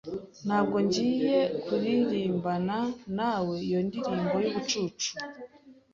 Ntabwo ngiye kuririmbana nawe iyo ndirimbo yubucucu.